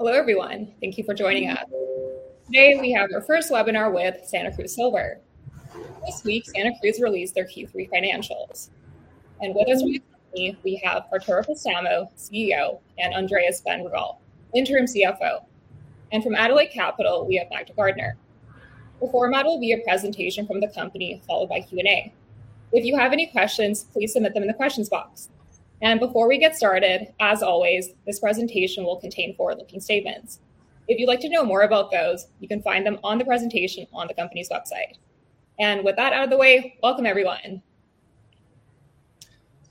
Hello, everyone. Thank you for joining us. Today we have our first webinar with Santa Cruz Silver. This week, Santa Cruz released their Q3 financials, and with us from the company, we have Arturo Préstamo, CEO, and Andrés Bedregal, interim CFO, and from Adelaide Capital, we have Magda Gardner. The format will be a presentation from the company, followed by Q&A. If you have any questions, please submit them in the questions box, and before we get started, as always, this presentation will contain forward-looking statements. If you'd like to know more about those, you can find them on the presentation on the company's website, and with that out of the way, welcome, everyone.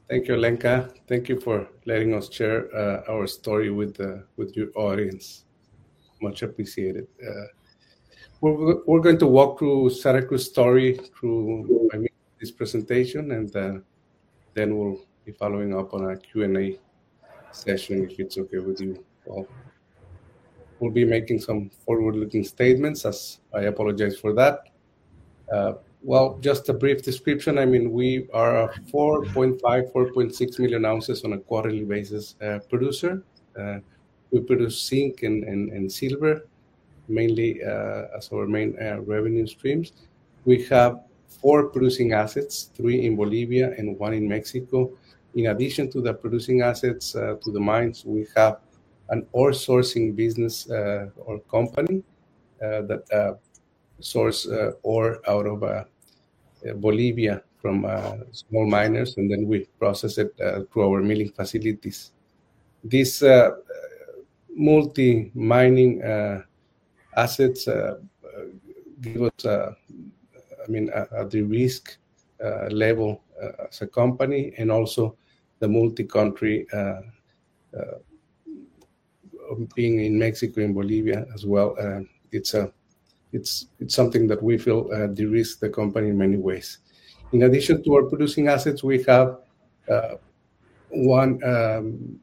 Thank you, Olenka. Thank you for letting us share our story with your audience. Much appreciated. We're going to walk through Santa Cruz's story through this presentation, and then we'll be following up on a Q&A session, if it's OK with you all. We'll be making some forward-looking statements, as I apologize for that. Just a brief description. I mean, we are a 4.5, 4.6 million ounces on a quarterly basis producer. We produce zinc and silver mainly as our main revenue streams. We have four producing assets, three in Bolivia and one in Mexico. In addition to the producing assets to the mines, we have an ore sourcing business or company that sources ore out of Bolivia from small miners, and then we process it through our milling facilities. These multi-mining assets give us, I mean, a de-risk level as a company, and also the multi-country being in Mexico and Bolivia as well. It's something that we feel de-risked the company in many ways. In addition to our producing assets, we have one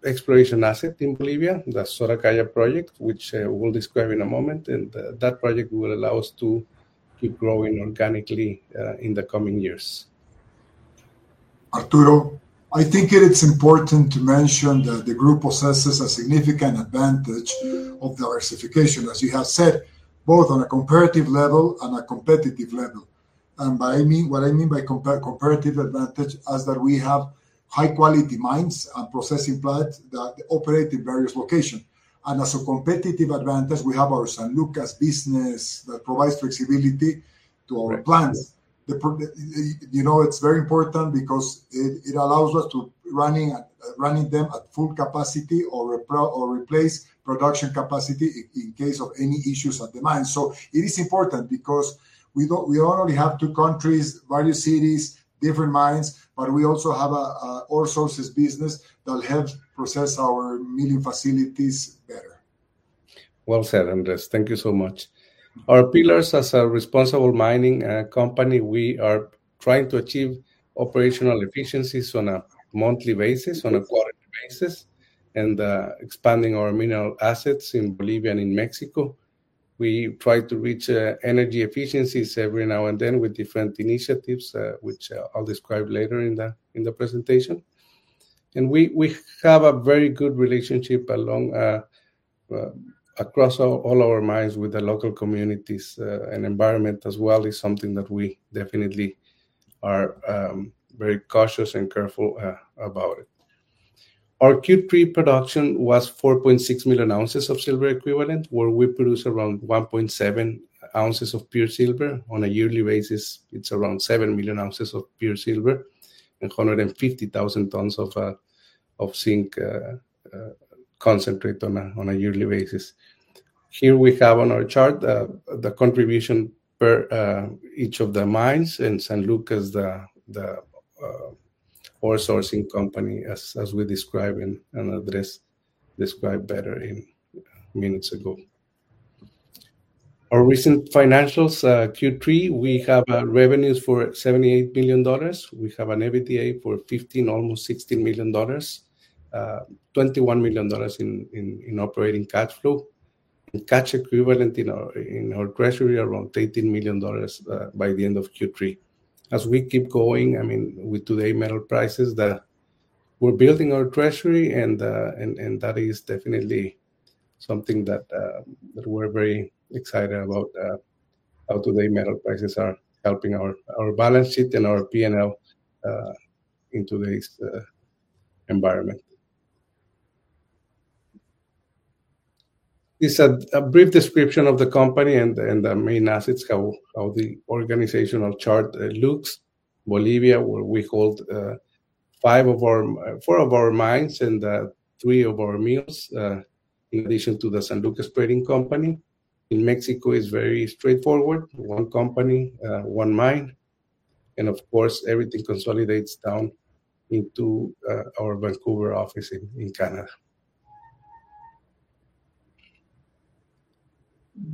exploration asset in Bolivia, the Soracaya project, which we'll describe in a moment. And that project will allow us to keep growing organically in the coming years. Arturo, I think it's important to mention that the group possesses a significant advantage of diversification, as you have said, both on a comparative level and a competitive level, and what I mean by comparative advantage is that we have high-quality mines and processing plants that operate in various locations, and as a competitive advantage, we have our San Lucas business that provides flexibility to our plants. You know, it's very important because it allows us to run them at full capacity or replace production capacity in case of any issues at the mine, so it is important because we don't only have two countries, various cities, different mines, but we also have an ore sourcing business that helps process our milling facilities better. Well said, Andrés. Thank you so much. Our pillars as a responsible mining company, we are trying to achieve operational efficiencies on a monthly basis, on a quarterly basis, and expanding our mineral assets in Bolivia and in Mexico. We try to reach energy efficiencies every now and then with different initiatives, which I'll describe later in the presentation, and we have a very good relationship across all our mines with the local communities and environment as well. It's something that we definitely are very cautious and careful about. Our Q3 production was 4.6 million ounces of silver equivalent, where we produce around 1.7 ounces of pure silver. On a yearly basis, it's around 7 million ounces of pure silver and 150,000 tons of zinc concentrate on a yearly basis. Here we have on our chart the contribution per each of the mines and San Lucas, the ore sourcing company, as we described and Andrés described better minutes ago. Our recent financials, Q3, we have revenues for $78 million. We have an EBITDA for $15 million, almost $16 million, $21 million in operating cash flow, and cash equivalents in our treasury around $18 million by the end of Q3. As we keep going, I mean, with today's metal prices, we're building our treasury, and that is definitely something that we're very excited about, how today's metal prices are helping our balance sheet and our P&L in today's environment. This is a brief description of the company and the main assets, how the organizational chart looks. Bolivia, where we hold four of our mines and three of our mills, in addition to the San Lucas Trading Company. In Mexico, it's very straightforward, one company, one mine. And of course, everything consolidates down into our Vancouver office in Canada.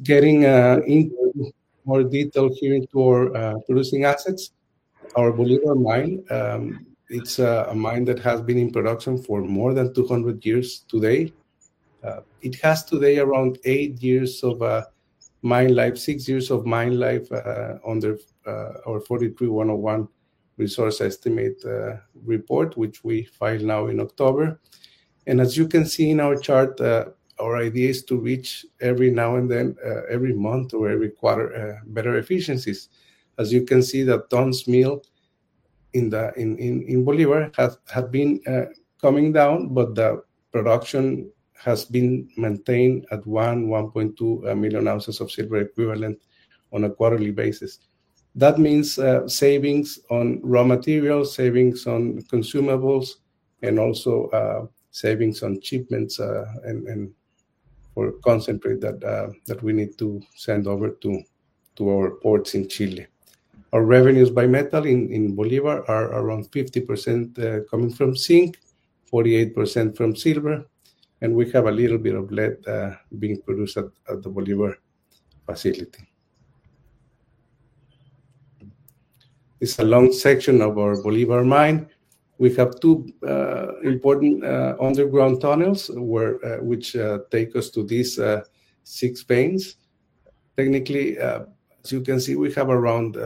Getting into more detail here into our producing assets, our Bolivar Mine, it's a mine that has been in production for more than 200 years today. It has today around eight years of mine life, six years of mine life under our 43-101 resource estimate report, which we filed now in October. And as you can see in our chart, our idea is to reach every now and then, every month or every quarter, better efficiencies. As you can see, the tons milled in Bolivia have been coming down, but the production has been maintained at one, 1.2 million ounces of silver equivalent on a quarterly basis. That means savings on raw materials, savings on consumables, and also savings on shipments for concentrate that we need to send over to our ports in Chile. Our revenues by metal in Bolivia are around 50% coming from zinc, 48% from silver, and we have a little bit of lead being produced at the Bolivar facility. This is a long section of our Bolivar Mine. We have two important underground tunnels which take us to these six veins. Technically, as you can see, we have around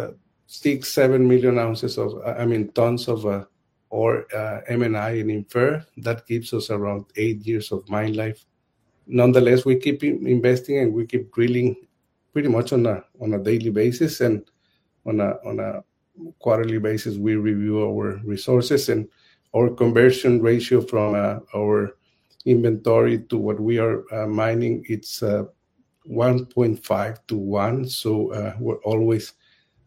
6-7 million ounces of, I mean, tons of ore M&I and inferred. That gives us around eight years of mine life. Nonetheless, we keep investing and we keep drilling pretty much on a daily basis, and on a quarterly basis, we review our resources, and our conversion ratio from our inventory to what we are mining; it's 1.5 to 1. We're always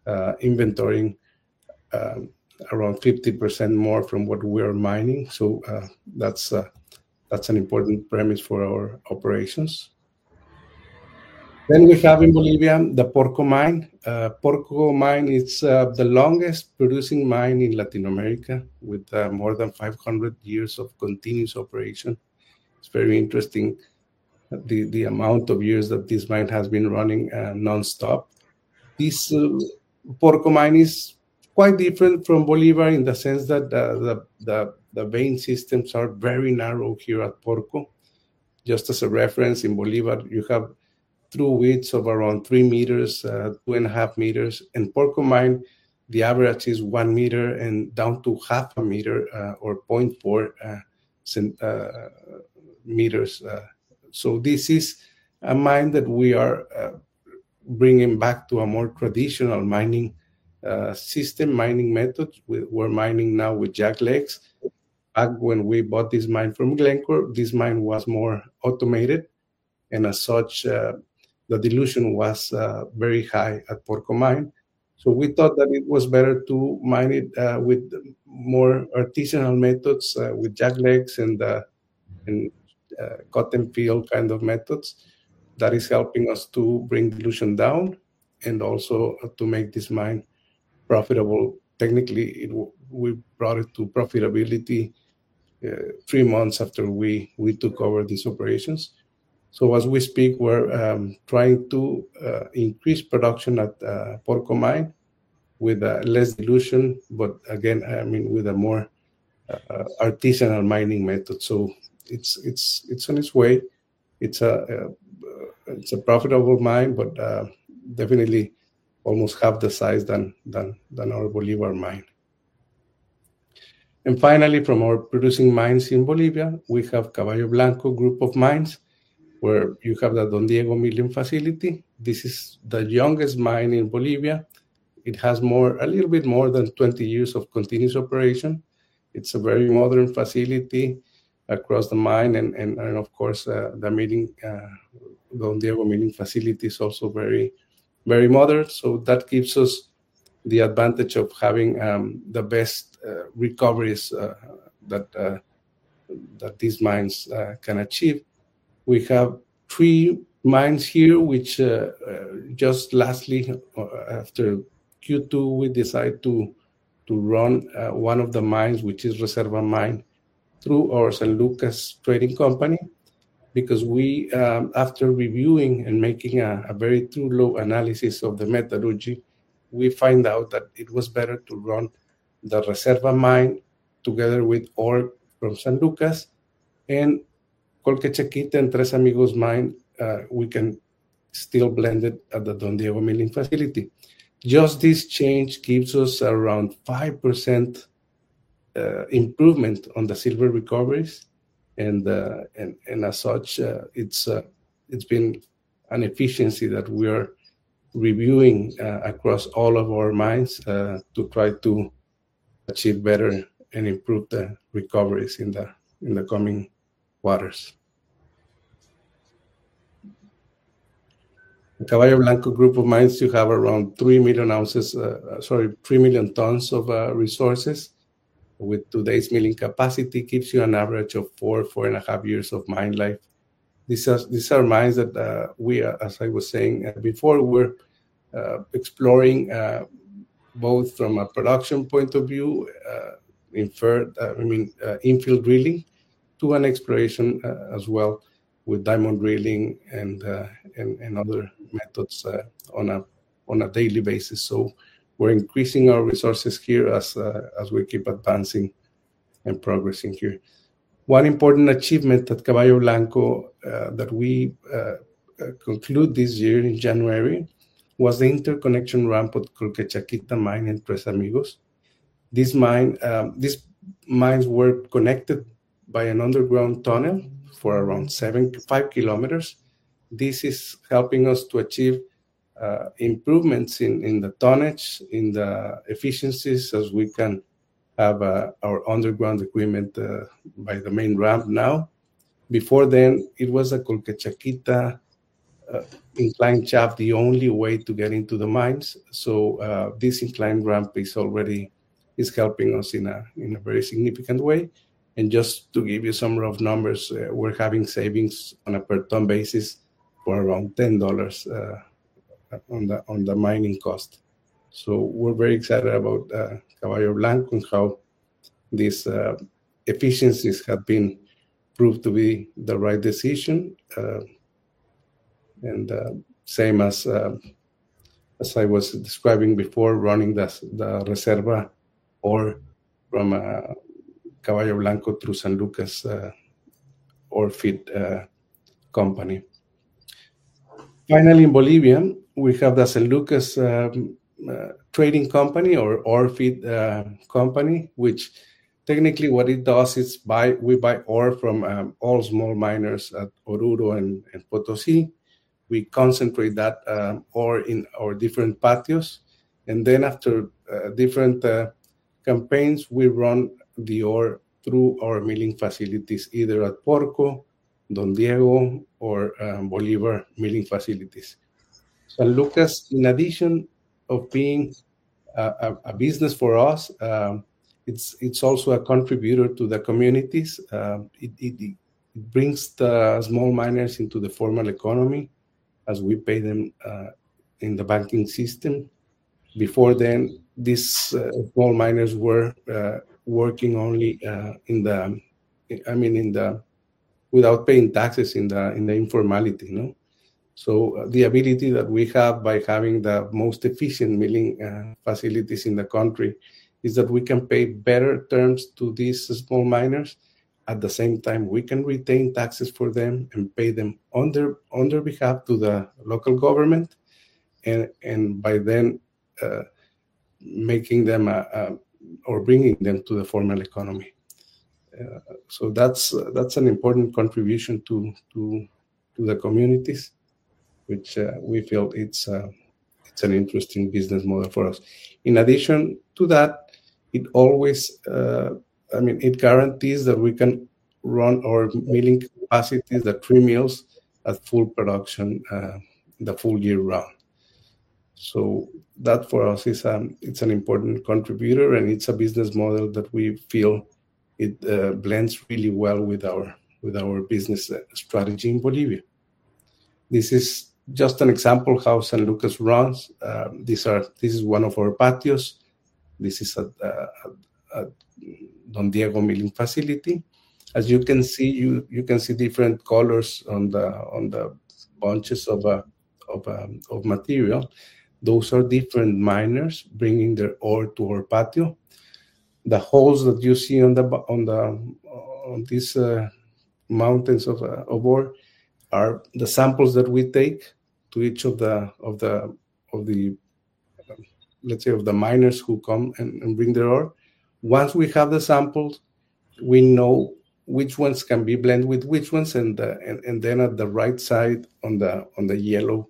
inventorying around 50% more from what we are mining. That's an important premise for our operations. We have in Bolivia the Porco Mine. The Porco Mine is the longest producing mine in Latin America, with more than 500 years of continuous operation. It's very interesting, the amount of years that this mine has been running nonstop. This Porco Mine is quite different from Bolivar in the sense that the vein systems are very narrow here at Porco. Just as a reference, in Bolivar, you have through widths of around three meters, two and one-half meters. In the Porco Mine, the average is one meter and down to half a meter or 0.4 meters. This is a mine that we are bringing back to a more traditional mining system, mining methods. We're mining now with jacklegs. Back when we bought this mine from Glencore, this mine was more automated, and as such, the dilution was very high at Porco Mine, so we thought that it was better to mine it with more artisanal methods, with jackleg and cut-and-fill kind of methods. That is helping us to bring dilution down and also to make this mine profitable. Technically, we brought it to profitability three months after we took over these operations, so as we speak, we're trying to increase production at Porco Mine with less dilution, but again, I mean, with a more artisanal mining method, so it's on its way. It's a profitable mine, but definitely almost half the size than our Bolivar Mine, and finally, from our producing mines in Bolivia, we have Caballo Blanco Group of Mines, where you have the Don Diego Milling Facility. This is the youngest mine in Bolivia. It has a little bit more than 20 years of continuous operation. It's a very modern facility across the mine. And of course, the Don Diego Milling Facility is also very modern. So that gives us the advantage of having the best recoveries that these mines can achieve. We have three mines here, which just lastly, after Q2, we decided to run one of the mines, which is Reserva Mine, through our San Lucas Trading Company. Because after reviewing and making a very thorough analysis of the metallurgy, we found out that it was better to run the Reserva Mine together with ore from San Lucas. And Colquechaquita and Tres Amigos Mine, we can still blend it at the Don Diego Milling Facility. Just this change gives us around 5% improvement on the silver recoveries. As such, it's been an efficiency that we are reviewing across all of our mines to try to achieve better and improve the recoveries in the coming quarters. Caballo Blanco Group of mines, you have around three million tons of resources. With today's milling capacity, it gives you an average of four, four and 1/2 years of mine life. These are mines that we, as I was saying before, we're exploring both from a production point of view, I mean, infill drilling, to an exploration as well with diamond drilling and other methods on a daily basis. We're increasing our resources here as we keep advancing and progressing here. One important achievement at Caballo Blanco that we concluded this year in January was the interconnection ramp at Colquechaquita Mine and Tres Amigos. These mines were connected by an underground tunnel for around 5 km. This is helping us to achieve improvements in the tonnage, in the efficiencies, as we can have our underground equipment by the main ramp now. Before then, it was a Colquechaquita incline shaft, the only way to get into the mines. So this incline ramp is helping us in a very significant way. And just to give you some rough numbers, we're having savings on a per ton basis for around $10 on the mining cost. So we're very excited about Caballo Blanco and how these efficiencies have been proved to be the right decision. And same as I was describing before, running the Reserva ore from Caballo Blanco through San Lucas ore feed company. Finally, in Bolivia, we have the San Lucas Trading Company or ore feed company, which technically what it does is we buy ore from all small miners at Oruro and Potosí. We concentrate that ore in our different patios, and then after different campaigns, we run the ore through our milling facilities, either at Porco, Don Diego, or Bolivar Milling Facilities. San Lucas, in addition to being a business for us, it's also a contributor to the communities. It brings the small miners into the formal economy as we pay them in the banking system. Before then, these small miners were working only in the, I mean, without paying taxes in the informality, so the ability that we have by having the most efficient milling facilities in the country is that we can pay better terms to these small miners. At the same time, we can retain taxes for them and pay them on their behalf to the local government. And by then making them or bringing them to the formal economy. So that's an important contribution to the communities, which we feel it's an interesting business model for us. In addition to that, it always, I mean, it guarantees that we can run our milling capacities, the three mills, at full production the full year round. So that for us is an important contributor, and it's a business model that we feel it blends really well with our business strategy in Bolivia. This is just an example of how San Lucas runs. This is one of our patios. This is a Don Diego milling facility. As you can see, you can see different colors on the bunches of material. Those are different miners bringing their ore to our patio. The holes that you see on these mountains of ore are the samples that we take to each of the, let's say, of the miners who come and bring their ore. Once we have the samples, we know which ones can be blended with which ones. Then at the right side, on the yellow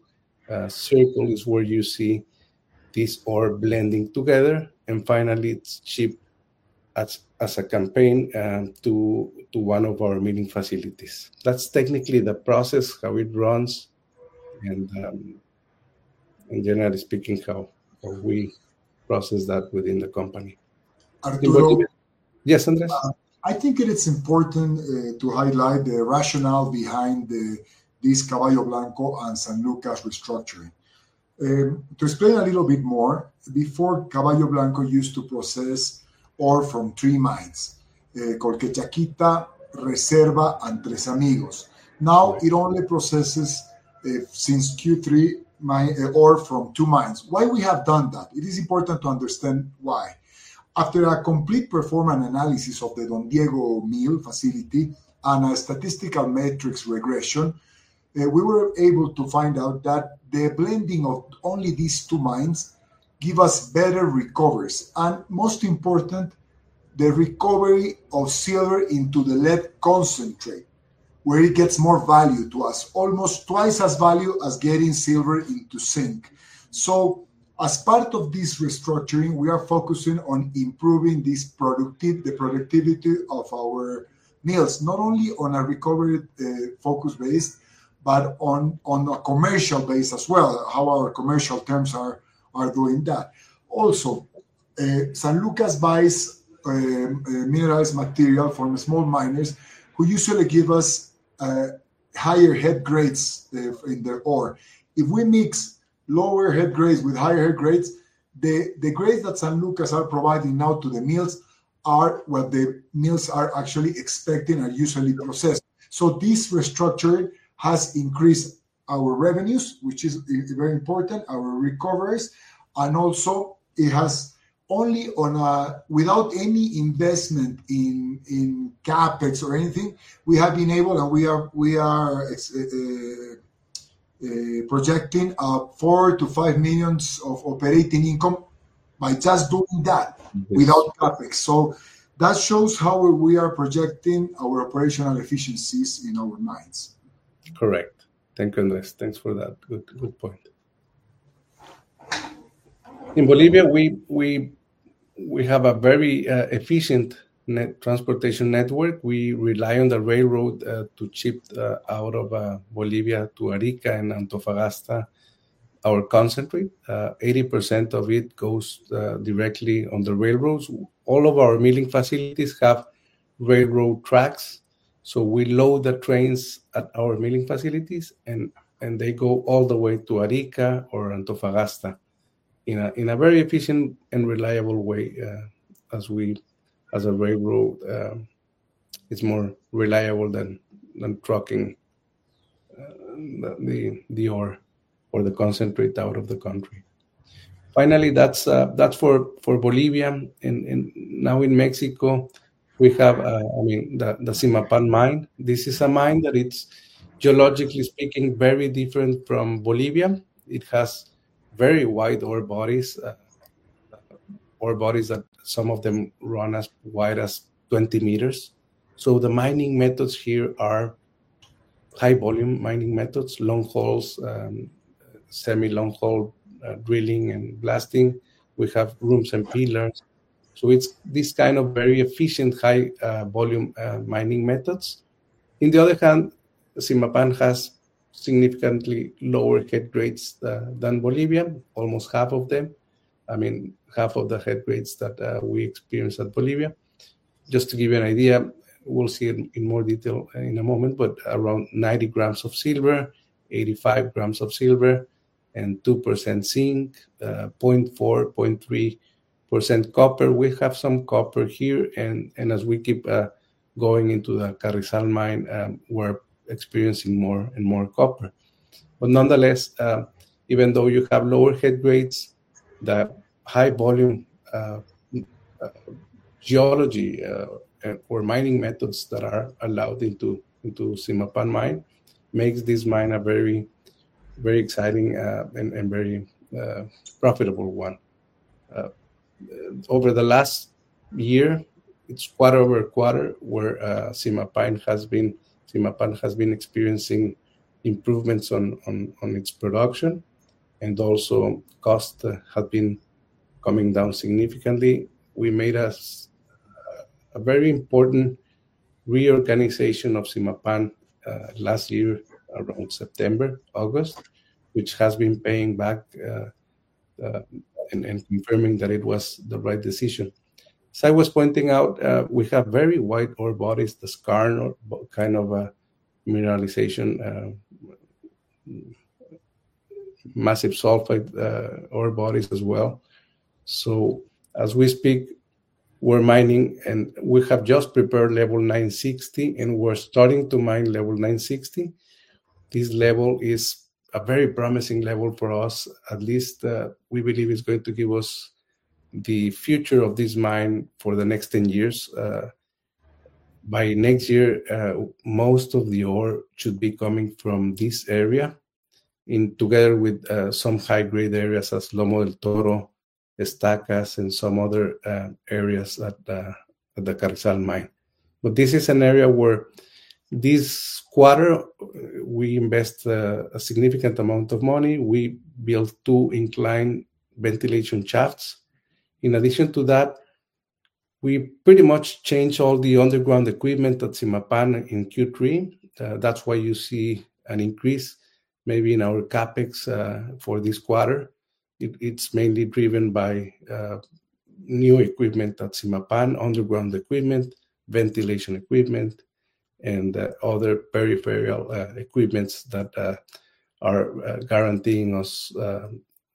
circle, is where you see this ore blending together. Finally, it's shipped as a campaign to one of our milling facilities. That's technically the process, how it runs, and generally speaking, how we process that within the company. Yes, Andrés? I think it is important to highlight the rationale behind this Caballo Blanco and San Lucas restructuring. To explain a little bit more, before, Caballo Blanco used to process ore from three mines, Colquechaquita, Reserva, and Tres Amigos. Now, it only processes, since Q3, ore from two mines. Why we have done that? It is important to understand why. After a complete performance analysis of the Don Diego mill facility and a statistical matrix regression, we were able to find out that the blending of only these two mines gives us better recoveries. And most important, the recovery of silver into the lead concentrate, where it gets more value to us, almost twice as value as getting silver into zinc. So as part of this restructuring, we are focusing on improving the productivity of our mills, not only on a recovery focus base, but on a commercial base as well, how our commercial terms are doing that. Also, San Lucas buys mineralized material from small miners who usually give us higher head grades in the ore. If we mix lower head grades with higher head grades, the grades that San Lucas is providing now to the mills are what the mills are actually expecting, are usually processed. So this restructuring has increased our revenues, which is very important, our recoveries. And also, it has only, without any investment in CapEx or anything, we have been able, and we are projecting $4 million-$5 million of operating income by just doing that without CapEx. So that shows how we are projecting our operational efficiencies in our mines. Correct. Thank you, Andrés. Thanks for that good point. In Bolivia, we have a very efficient transportation network. We rely on the railroad to ship out of Bolivia to Arica and Antofagasta our concentrate. 80% of it goes directly on the railroads. All of our milling facilities have railroad tracks. We load the trains at our milling facilities, and they go all the way to Arica or Antofagasta in a very efficient and reliable way as a railroad. It's more reliable than trucking the ore or the concentrate out of the country. Finally, that's for Bolivia. Now in Mexico, we have, I mean, the Zimapán Mine. This is a mine that is, geologically speaking, very different from Bolivar. It has very wide ore bodies, ore bodies that some of them run as wide as 20 meters. The mining methods here are high-volume mining methods, longhole, semi-longhole drilling and blasting. We have room and pillar. It's this kind of very efficient high-volume mining methods. On the other hand, Zimapán has significantly lower head grades than Bolivar, almost half of them, I mean, half of the head grades that we experience at Bolivar. Just to give you an idea, we'll see it in more detail in a moment, but around 90 grams of silver, 85 grams of silver, and 2% zinc, 0.4%-0.3% copper. We have some copper here. And as we keep going into the Carrizal Mine, we're experiencing more and more copper. But nonetheless, even though you have lower head grades, the high-volume geology or mining methods that are allowed into Zimapán Mine make this mine a very, very exciting and very profitable one. Over the last year, it's quarter over quarter where Zimapán has been experiencing improvements on its production. And also, costs have been coming down significantly. We made a very important reorganization of Zimapán last year around September, August, which has been paying back and confirming that it was the right decision. As I was pointing out, we have very wide ore bodies, the skarn kind of mineralization, massive sulfide ore bodies as well. So as we speak, we're mining, and we have just prepared level 960, and we're starting to mine level 960. This level is a very promising level for us. At least we believe it's going to give us the future of this mine for the next 10 years. By next year, most of the ore should be coming from this area together with some high-grade areas as Lomo del Toro, Estacas, and some other areas at the Carrizal Mine. But this is an area where this quarter, we invest a significant amount of money. We built two inclined ventilation shafts. In addition to that, we pretty much changed all the underground equipment at Zimapán in Q3. That's why you see an increase maybe in our CapEx for this quarter. It's mainly driven by new equipment at Zimapán, underground equipment, ventilation equipment, and other peripheral equipments that are guaranteeing us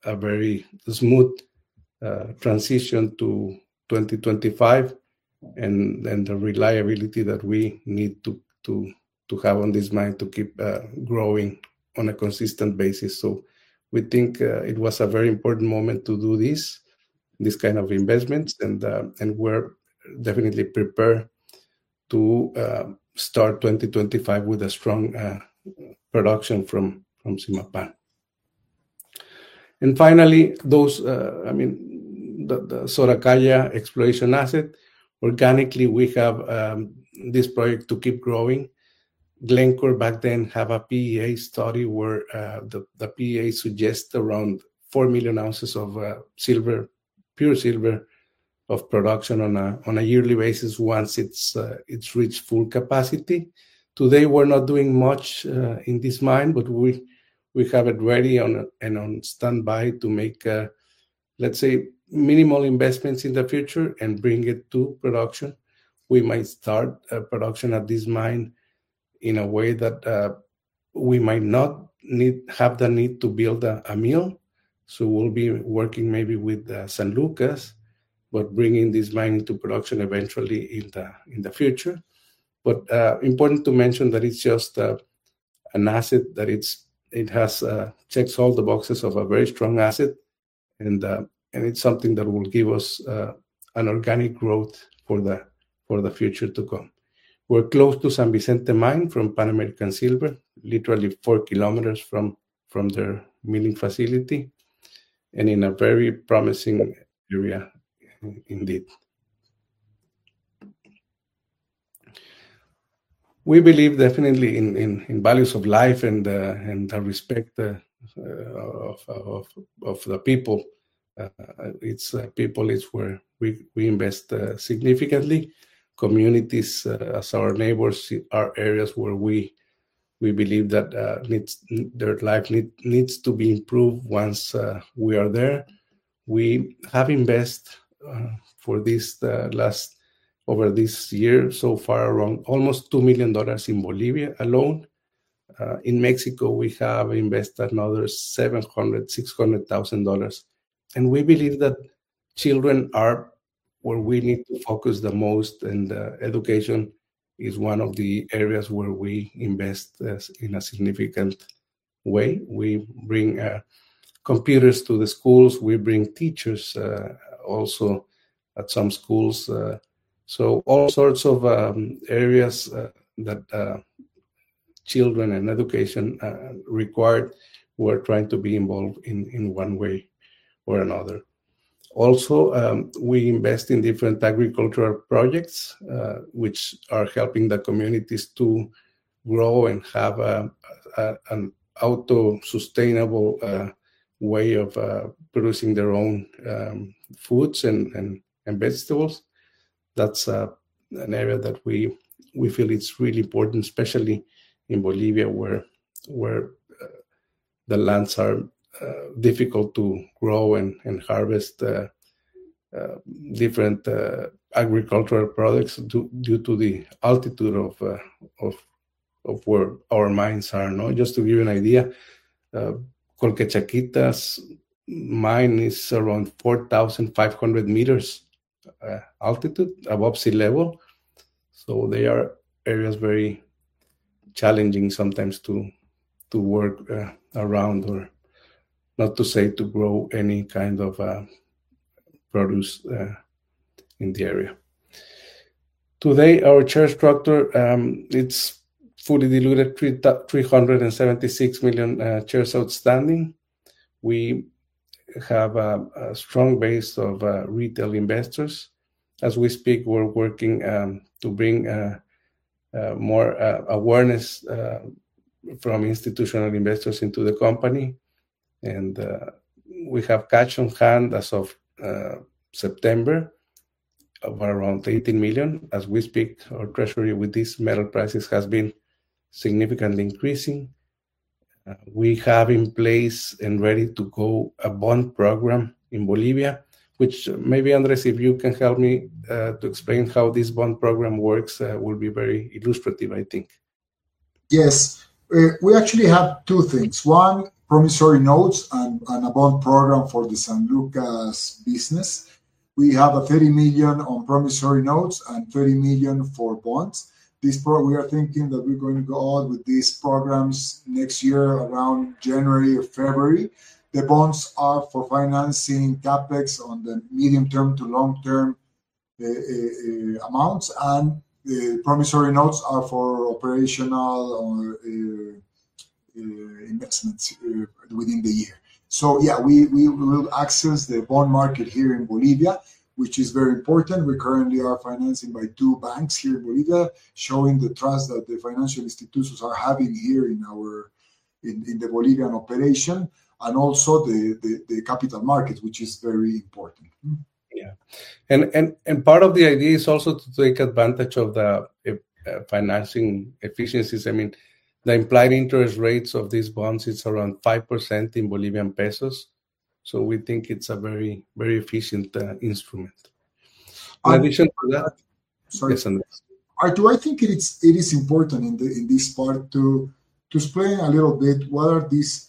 a very smooth transition to 2025 and the reliability that we need to have on this mine to keep growing on a consistent basis, so we think it was a very important moment to do this, this kind of investments, and we're definitely prepared to start 2025 with a strong production from Zimapán, and finally, I mean, the Soracaya Exploration Asset, organically, we have this project to keep growing. Glencore back then had a PEA study where the PEA suggests around four million ounces of silver, pure silver, of production on a yearly basis once it's reached full capacity. Today, we're not doing much in this mine, but we have it ready and on standby to make, let's say, minimal investments in the future and bring it to production. We might start production at this mine in a way that we might not have the need to build a mill. So we'll be working maybe with San Lucas, but bringing this mine into production eventually in the future. But important to mention that it's just an asset that it checks all the boxes of a very strong asset. And it's something that will give us an organic growth for the future to come. We're close to San Vicente Mine from Pan American Silver, literally four kilometers from their milling facility and in a very promising area indeed. We believe definitely in values of life and the respect of the people. It's people where we invest significantly. Communities as our neighbors are areas where we believe that their life needs to be improved once we are there. We have invested for this last over this year so far around almost $2 million in Bolivia alone. In Mexico, we have invested another $700,000, $600,000. And we believe that children are where we need to focus the most. And education is one of the areas where we invest in a significant way. We bring computers to the schools. We bring teachers also at some schools. So all sorts of areas that children and education require, we're trying to be involved in one way or another. Also, we invest in different agricultural projects, which are helping the communities to grow and have an auto-sustainable way of producing their own foods and vegetables. That's an area that we feel it's really important, especially in Bolivia where the lands are difficult to grow and harvest different agricultural products due to the altitude of where our mines are. Just to give you an idea, Colquechaquita's mine is around 4,500 meters altitude above sea level. So they are areas very challenging sometimes to work around or not to say to grow any kind of produce in the area. Today, our share structure, it's fully diluted, 376 million shares outstanding. We have a strong base of retail investors. As we speak, we're working to bring more awareness from institutional investors into the company, and we have cash on hand as of September of around $18 million as we speak. Our treasury with these metal prices has been significantly increasing. We have in place and ready to go a bond program in Bolivia, which maybe, Andrés, if you can help me to explain how this bond program works, will be very illustrative, I think. Yes. We actually have two things. One, promissory notes and a bond program for the San Lucas business. We have $30 million on promissory notes and $30 million for bonds. We are thinking that we're going to go out with these programs next year around January or February. The bonds are for financing CapEx on the medium-term to long-term amounts. And the promissory notes are for operational investments within the year. So yeah, we will access the bond market here in Bolivia, which is very important. We currently are financing by two banks here in Bolivia, showing the trust that the financial institutions are having here in the Bolivian operation. And also the capital market, which is very important. Yeah. And part of the idea is also to take advantage of the financing efficiencies. I mean, the implied interest rates of these bonds is around 5% in Bolivian pesos. So we think it's a very, very efficient instrument. In addition to that. Sorry. Sorry. Do I think it is important in this part to explain a little bit what are these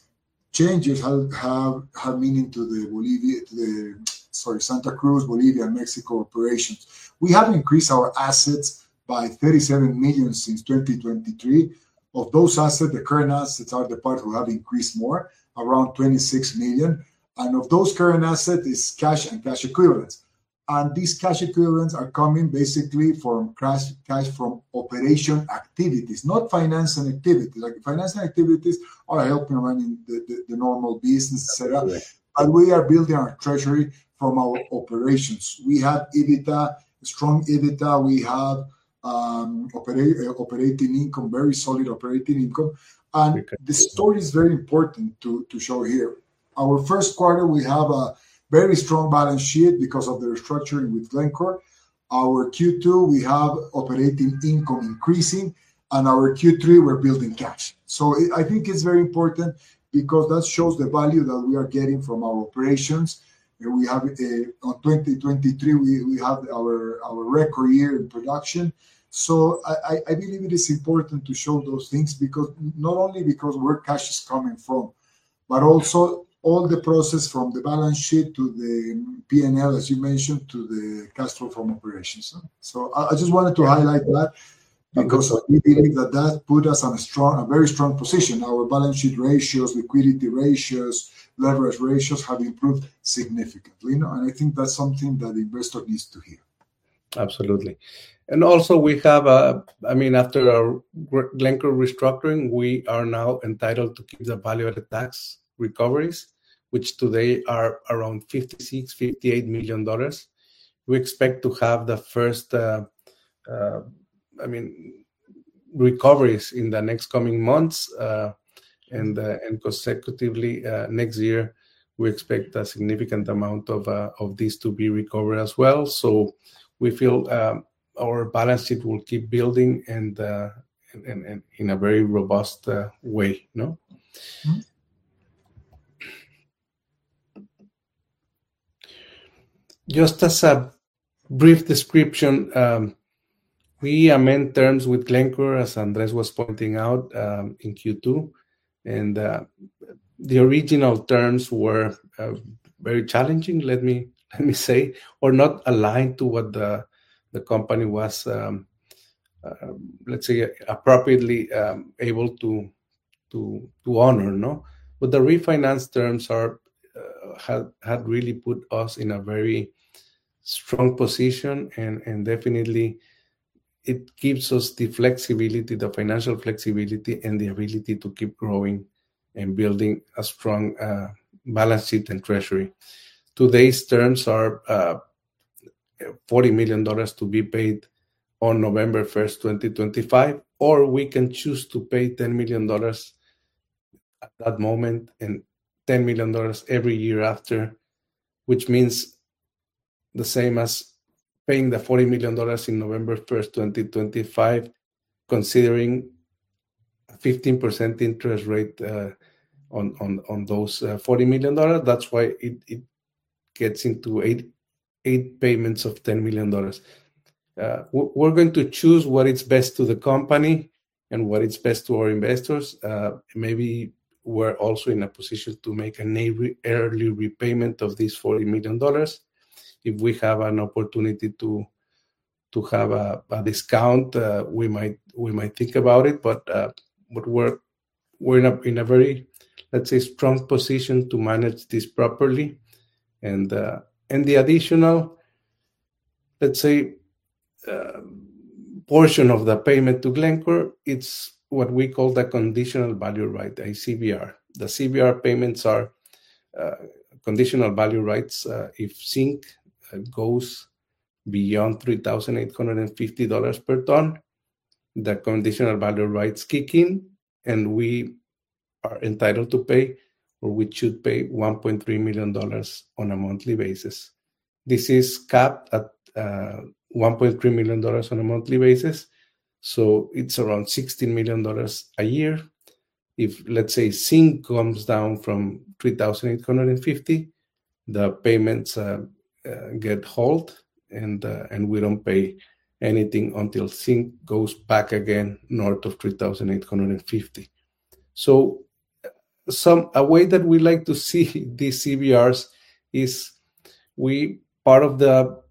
changes have meaning to the, sorry, Santa Cruz, Bolivia, and Mexico operations? We have increased our assets by $37 million since 2023. Of those assets, the current assets are the parts we have increased more, around $26 million. And of those current assets is cash and cash equivalents. And these cash equivalents are coming basically from cash from operation activities, not finance and activities. Finance and activities are helping running the normal business, etc. But we are building our treasury from our operations. We have EBITDA, strong EBITDA. We have operating income, very solid operating income. And the story is very important to show here. Our first quarter, we have a very strong balance sheet because of the restructuring with Glencore. Our Q2, we have operating income increasing. And our Q3, we're building cash. So I think it's very important because that shows the value that we are getting from our operations. On 2023, we have our record year in production. So I believe it is important to show those things not only because where cash is coming from, but also all the process from the balance sheet to the P&L, as you mentioned, to the cash flow from operations. So I just wanted to highlight that because we believe that that put us in a very strong position. Our balance sheet ratios, liquidity ratios, leverage ratios have improved significantly. And I think that's something that the investor needs to hear. Absolutely. And also, I mean, after Glencore restructuring, we are now entitled to keep the value-added tax recoveries, which today are around $56-$58 million. We expect to have the first, I mean, recoveries in the next coming months. And consecutively next year, we expect a significant amount of these to be recovered as well. So we feel our balance sheet will keep building in a very robust way. Just as a brief description, we are in terms with Glencore, as Andrés was pointing out in Q2. And the original terms were very challenging, let me say, or not aligned to what the company was, let's say, appropriately able to honor. But the refinanced terms had really put us in a very strong position. Definitely, it gives us the flexibility, the financial flexibility, and the ability to keep growing and building a strong balance sheet and treasury. Today's terms are $40 million to be paid on November 1st, 2025, or we can choose to pay $10 million at that moment and $10 million every year after, which means the same as paying the $40 million in November 1st, 2025, considering a 15% interest rate on those $40 million. That's why it gets into eight payments of $10 million. We're going to choose what is best to the company and what is best to our investors. Maybe we're also in a position to make an early repayment of these $40 million. If we have an opportunity to have a discount, we might think about it. But we're in a very, let's say, strong position to manage this properly. The additional, let's say, portion of the payment to Glencore, it's what we call the conditional value right, the CVR. The CVR payments are conditional value rights. If zinc goes beyond $3,850 per ton, the conditional value rights kick in, and we are entitled to pay, or we should pay $1.3 million on a monthly basis. This is capped at $1.3 million on a monthly basis. It's around $16 million a year. If, let's say, zinc comes down from $3,850, the payments get halted, and we don't pay anything until zinc goes back again north of $3,850. A way that we like to see these CVRs is part of the,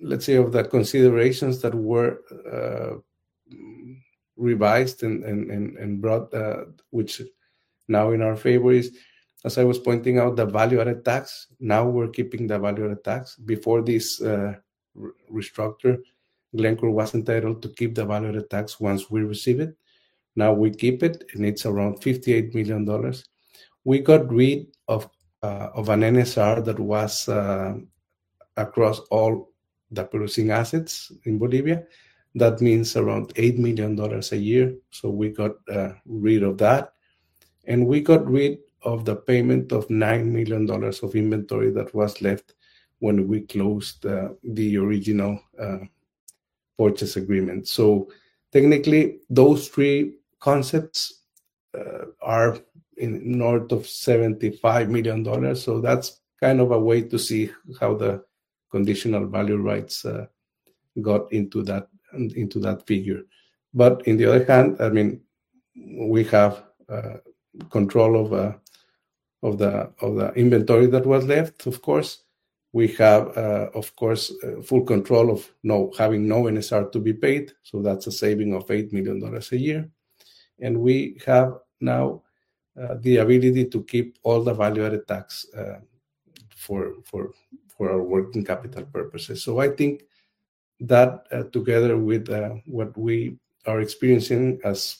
let's say, of the considerations that were revised and brought, which now in our favor is, as I was pointing out, the value-added tax. Now we're keeping the value-added tax. Before this restructure, Glencore was entitled to keep the value-added tax once we receive it. Now we keep it, and it's around $58 million. We got rid of an NSR that was across all the producing assets in Bolivia. That means around $8 million a year. So we got rid of that. And we got rid of the payment of $9 million of inventory that was left when we closed the original purchase agreement. So technically, those three concepts are north of $75 million. So that's kind of a way to see how the Conditional Value Rights got into that figure. But on the other hand, I mean, we have control of the inventory that was left, of course. We have, of course, full control of having no NSR to be paid. So that's a saving of $8 million a year. We have now the ability to keep all the value-added tax for our working capital purposes. I think that together with what we are experiencing as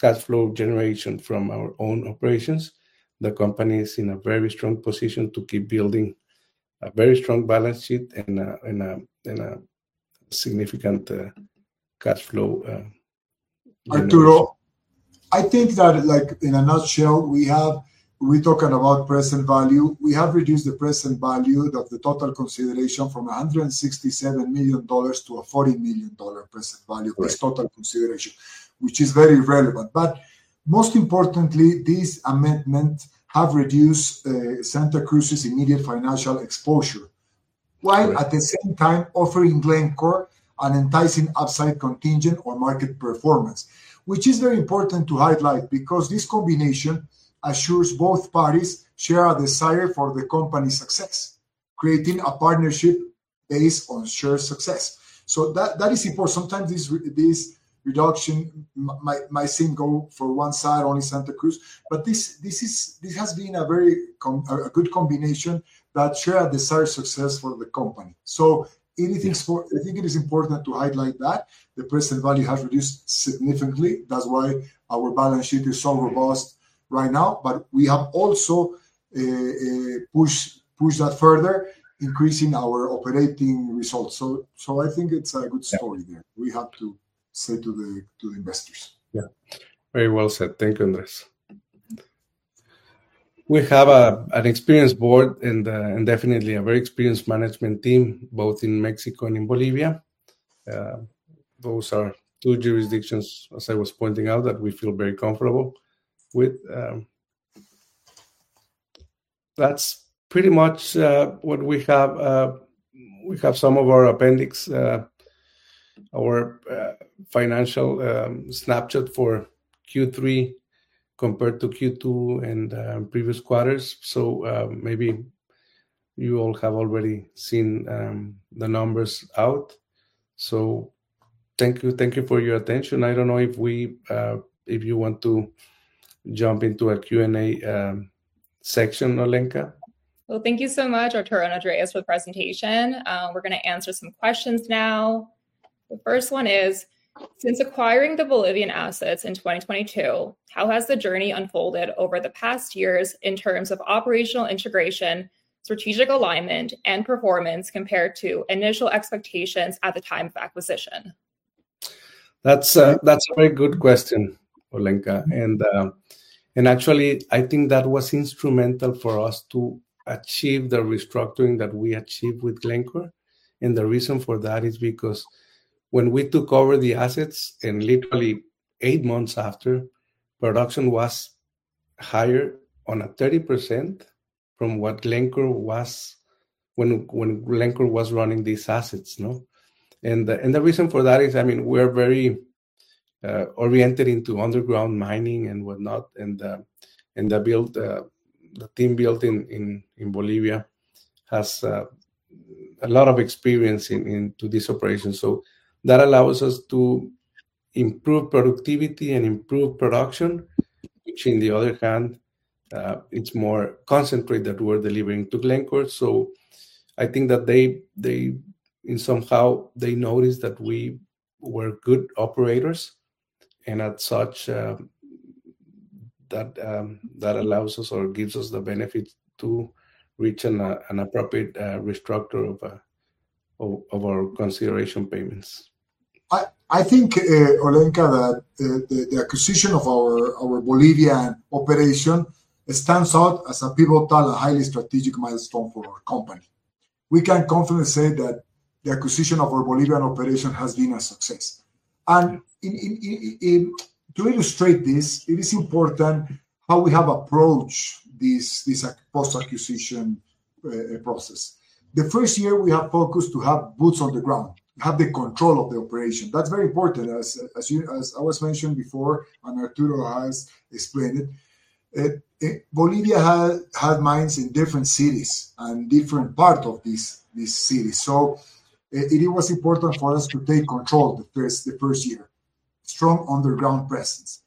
cash flow generation from our own operations, the company is in a very strong position to keep building a very strong balance sheet and a significant cash flow. I think that in a nutshell, we talk about present value. We have reduced the present value of the total consideration from $167 million to a $40 million present value as total consideration, which is very relevant. Most importantly, these amendments have reduced Santa Cruz's immediate financial exposure, while at the same time offering Glencore an enticing upside contingent or market performance, which is very important to highlight because this combination assures both parties share a desire for the company's success, creating a partnership based on shared success. That is important. Sometimes this reduction might seem to go for one side, only Santa Cruz. But this has been a very good combination that shares a desire for success for the company. So I think it is important to highlight that the present value has reduced significantly. That's why our balance sheet is so robust right now. But we have also pushed that further, increasing our operating results. So I think it's a good story that we have to say to the investors. Yeah. Very well said. Thank you, Andrés. We have an experienced board and definitely a very experienced management team, both in Mexico and in Bolivia. Those are two jurisdictions, as I was pointing out, that we feel very comfortable with. That's pretty much what we have. We have some of our appendix, our financial snapshot for Q3 compared to Q2 and previous quarters. So maybe you all have already seen the numbers out. So thank you for your attention. I don't know if you want to jump into a Q&A section, Olenka. Well, thank you so much, Arturo and Andrés, for the presentation. We're going to answer some questions now. The first one is, since acquiring the Bolivian assets in 2022, how has the journey unfolded over the past years in terms of operational integration, strategic alignment, and performance compared to initial expectations at the time of acquisition? That's a very good question, Olenka. And actually, I think that was instrumental for us to achieve the restructuring that we achieved with Glencore. And the reason for that is because when we took over the assets and literally eight months after, production was higher on a 30% from what Glencore was when Glencore was running these assets. And the reason for that is, I mean, we are very oriented into underground mining and whatnot. And the team built in Bolivia has a lot of experience into these operations. So that allows us to improve productivity and improve production, which on the other hand, it's more concentrated that we're delivering to Glencore. So I think that somehow they noticed that we were good operators. And as such, that allows us or gives us the benefit to reach an appropriate restructure of our consideration payments. I think, Olenka, that the acquisition of our Bolivian operation stands out as a pivotal, a highly strategic milestone for our company. We can confidently say that the acquisition of our Bolivian operation has been a success. And to illustrate this, it is important how we have approached this post-acquisition process. The first year, we have focused to have boots on the ground, have the control of the operation. That's very important. As I was mentioned before, and Arturo has explained it, Bolivia had mines in different cities and different parts of these cities. So it was important for us to take control the first year, strong underground presence.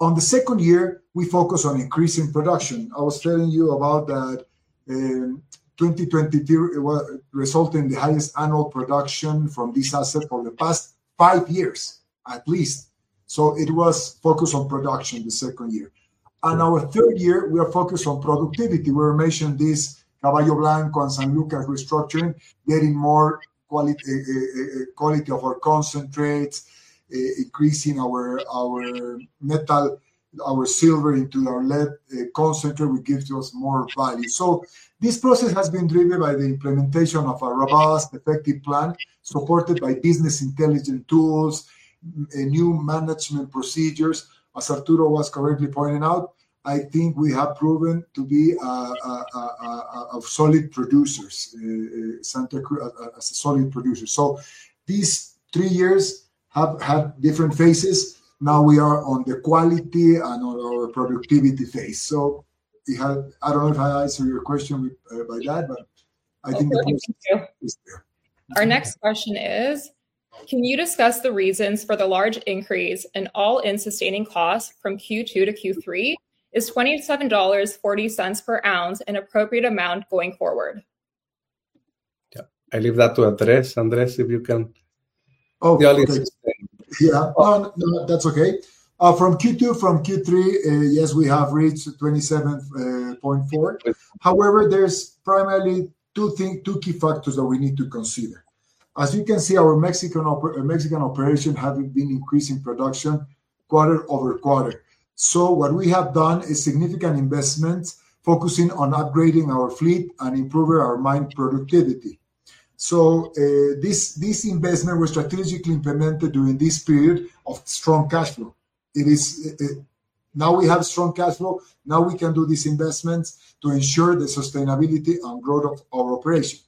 On the second year, we focused on increasing production. I was telling you about that 2022 resulted in the highest annual production from these assets for the past five years, at least. So it was focused on production the second year. And our third year, we are focused on productivity. We were mentioning this Caballo Blanco and San Lucas restructuring, getting more quality of our concentrates, increasing our metal, our silver into our lead concentrate would give us more value. So this process has been driven by the implementation of a robust, effective plan supported by business intelligence tools, new management procedures. As Arturo was correctly pointing out, I think we have proven to be solid producers, Santa Cruz as solid producers. These three years have had different phases. Now we are on the quality and on our productivity phase. I don't know if I answered your question by that, but I think the question is there. Our next question is, can you discuss the reasons for the large increase in all-in sustaining costs from Q2 to Q3? Is $27.40 per ounce an appropriate amount going forward? Yeah. I leave that to Andrés. Andrés, if you can. Oh, yeah. That's okay. From Q2, from Q3, yes, we have reached 27.4. However, there's primarily two key factors that we need to consider. As you can see, our Mexican operation has been increasing production quarter over quarter. So what we have done is significant investments focusing on upgrading our fleet and improving our mine productivity. So this investment was strategically implemented during this period of strong cash flow. Now we have strong cash flow. Now we can do these investments to ensure the sustainability and growth of our operation.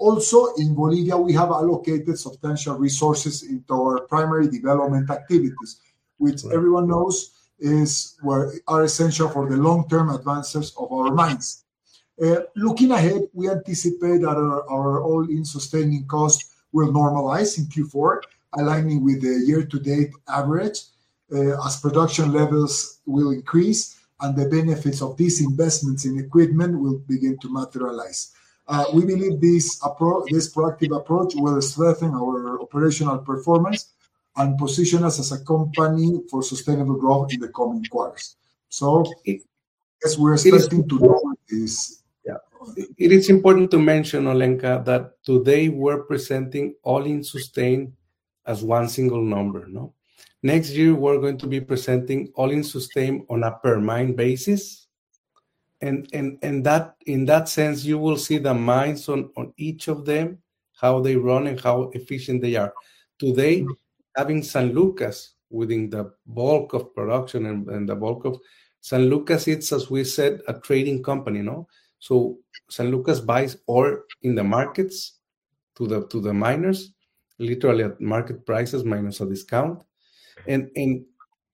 Also, in Bolivia, we have allocated substantial resources into our primary development activities, which everyone knows are essential for the long-term advancement of our mines. Looking ahead, we anticipate that our all-in sustaining costs will normalize in Q4, aligning with the year-to-date average as production levels will increase and the benefits of these investments in equipment will begin to materialize. We believe this proactive approach will strengthen our operational performance and position us as a company for sustainable growth in the coming quarters. So we're expecting to do this. It is important to mention, Olenka, that today we're presenting all-in sustaining as one single number. Next year, we're going to be presenting all-in sustaining on a per mine basis. And in that sense, you will see the mines on each of them, how they run and how efficient they are. Today, having San Lucas within the bulk of production and the bulk of San Lucas, it's, as we said, a trading company. So San Lucas buys ore in the markets to the miners, literally at market prices minus a discount. And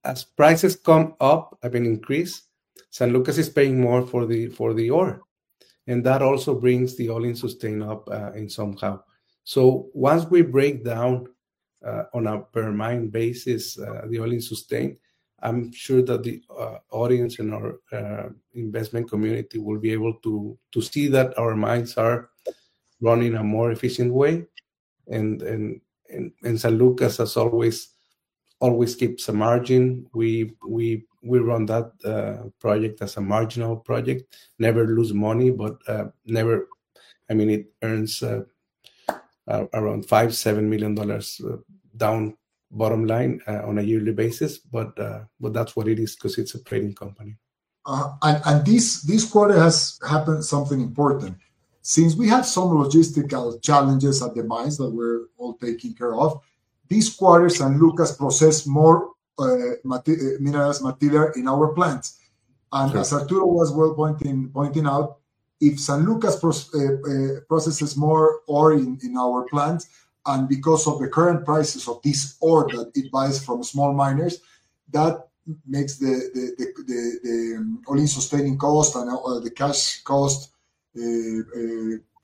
as prices come up, have been increased, San Lucas is paying more for the ore. And that also brings the all-in sustaining up in somehow. Once we break down on a per mine basis, the all-in sustaining, I'm sure that the audience and our investment community will be able to see that our mines are running in a more efficient way. San Lucas, as always, keeps a margin. We run that project as a marginal project, never lose money, but never. I mean, it earns around $5.7 million to the bottom line on a yearly basis. That's what it is because it's a trading company. This quarter something important has happened. Since we have some logistical challenges at the mines that we're all taking care of, this quarter San Lucas processed more mineral material in our plants. And as Arturo was well pointing out, if San Lucas processes more ore in our plants, and because of the current prices of this ore that it buys from small miners, that makes the all-in sustaining cost and the cash cost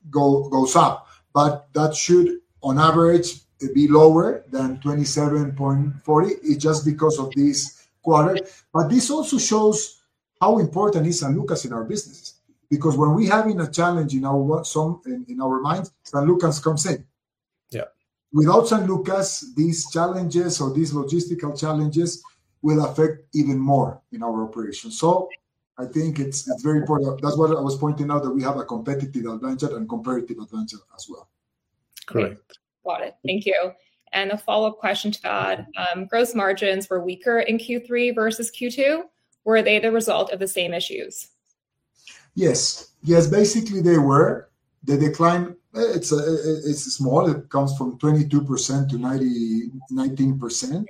goes up. But that should, on average, be lower than $27.40. It's just because of this quarter. But this also shows how important is San Lucas in our business. Because when we have a challenge in our mines, San Lucas comes in. Without San Lucas, these challenges or these logistical challenges will affect even more in our operation. So I think it's very important. That's what I was pointing out, that we have a competitive advantage and comparative advantage as well. Correct. Got it. Thank you. And a follow-up question to that. Gross margins were weaker in Q3 versus Q2. Were they the result of the same issues? Yes. Yes. Basically, they were. The decline, it's small. It comes from 22%-19%,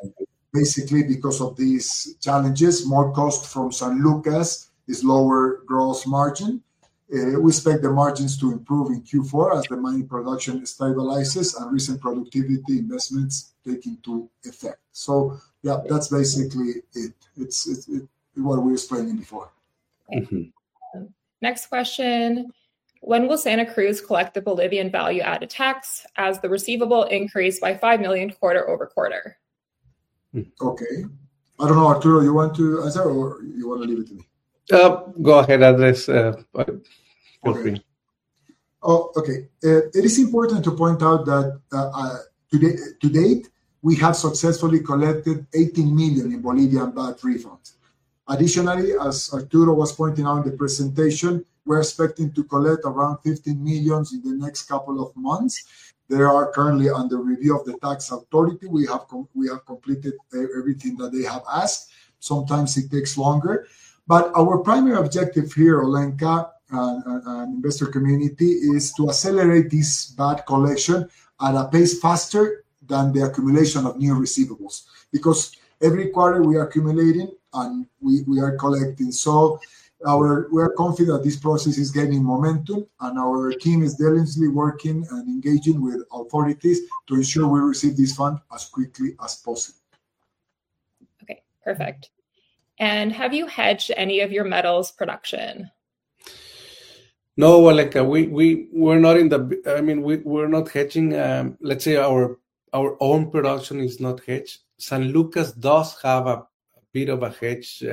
basically because of these challenges. More cost from San Lucas is lower gross margin. We expect the margins to improve in Q4 as the mine production stabilizes and recent productivity investments take into effect. So yeah, that's basically it. It's what we were explaining before. Next question. When will Santa Cruz collect the Bolivian value-added tax as the receivable increased by $5 million quarter over quarter? Okay. I don't know, Arturo, you want to answer or you want to leave it to me? Go ahead, Andrés. Feel free. Oh, okay. It is important to point out that to date, we have successfully collected $18 million in Bolivian VAT refunds. Additionally, as Arturo was pointing out in the presentation, we're expecting to collect around $15 million in the next couple of months. They are currently under review of the tax authority. We have completed everything that they have asked. Sometimes it takes longer. But our primary objective here, Olenka, and investor community is to accelerate this VAT collection at a pace faster than the accumulation of new receivables. Because every quarter, we are accumulating and we are collecting. So we are confident that this process is gaining momentum. And our team is diligently working and engaging with authorities to ensure we receive this fund as quickly as possible. Okay. Perfect. And have you hedged any of your metals production? No, Olenka. We're not in the, I mean, we're not hedging. Let's say our own production is not hedged. San Lucas does have a bit of a hedge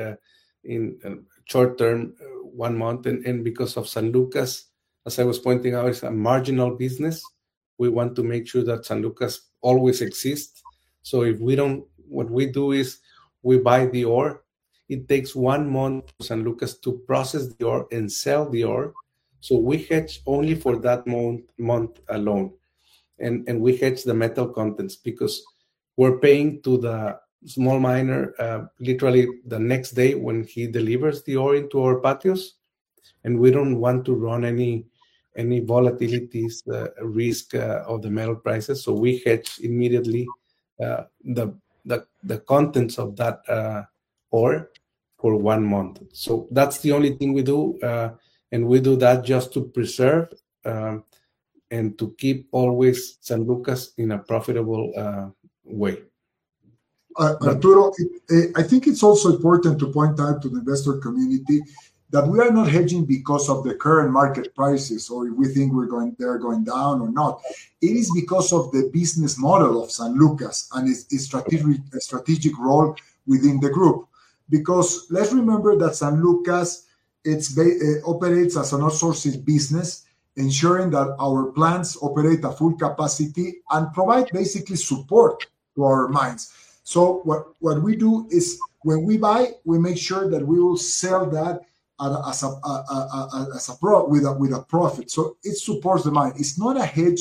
in short term, one month. And because of San Lucas, as I was pointing out, it's a marginal business. We want to make sure that San Lucas always exists. So what we do is we buy the ore. It takes one month for San Lucas to process the ore and sell the ore. So we hedge only for that month alone. And we hedge the metal contents because we're paying to the small miner literally the next day when he delivers the ore into our patios. And we don't want to run any volatility risk of the metal prices. So we hedge immediately the contents of that ore for one month. So that's the only thing we do. And we do that just to preserve and to keep always San Lucas in a profitable way. Arturo, I think it's also important to point out to the investor community that we are not hedging because of the current market prices or if we think they're going down or not. It is because of the business model of San Lucas and its strategic role within the group. Because let's remember that San Lucas operates as an outsourcing business, ensuring that our plants operate at full capacity and provide basically support to our mines. So what we do is when we buy, we make sure that we will sell that with a profit. So it supports the mine. It's not a hedge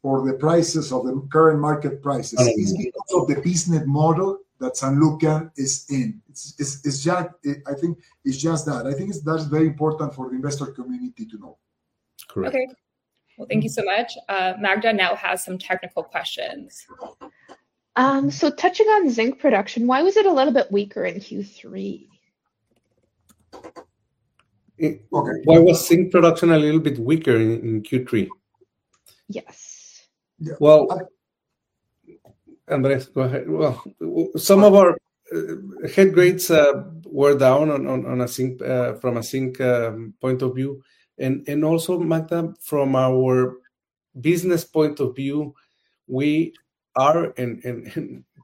for the prices of the current market prices. It's because of the business model that San Lucas is in. I think it's just that. I think that's very important for the investor community to know. Correct. Okay. Well, thank you so much. Magda now has some technical questions. So touching on zinc production, why was it a little bit weaker in Q3? Okay. Why was zinc production a little bit weaker in Q3? Yes. Well, Andrés, go ahead. Some of our head grades were down from a zinc point of view, and also, Magda, from our business point of view, we are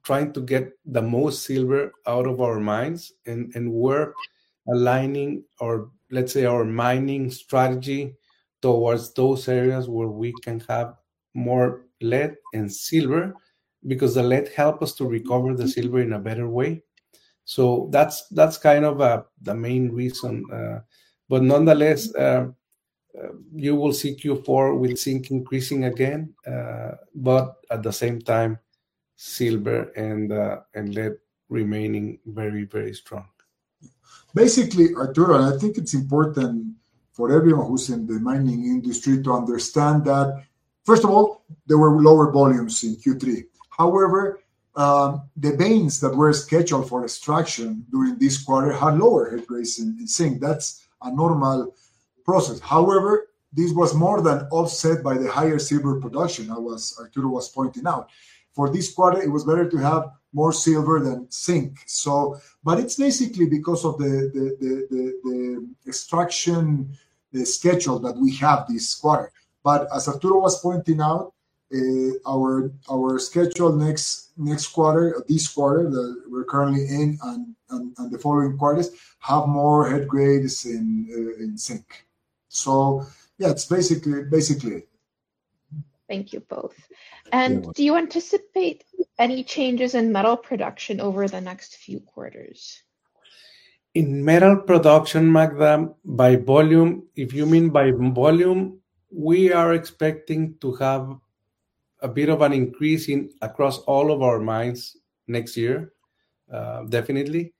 trying to get the most silver out of our mines, and we're aligning our, let's say, our mining strategy towards those areas where we can have more lead and silver because the lead helps us to recover the silver in a better way, so that's kind of the main reason, but nonetheless, you will see Q4 with zinc increasing again, but at the same time, silver and lead remaining very, very strong. Basically, Arturo, and I think it's important for everyone who's in the mining industry to understand that, first of all, there were lower volumes in Q3. However, the veins that were scheduled for extraction during this quarter had lower head grades in zinc. That's a normal process. However, this was more than offset by the higher silver production that Arturo was pointing out. For this quarter, it was better to have more silver than zinc. But it's basically because of the extraction schedule that we have this quarter. But as Arturo was pointing out, our schedule next quarter, this quarter that we're currently in and the following quarters have more head grades in zinc. So yeah, it's basically it. Thank you both. And do you anticipate any changes in metal production over the next few quarters? In metal production, Magda, by volume, if you mean by volume, we are expecting to have a bit of an increase across all of our mines next year. Definitely.